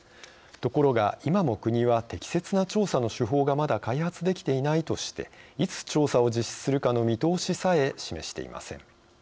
ところが、今も国は適切な調査の手法がまだ開発できていないとしていつ調査を実施するかの見通しさえ示していません。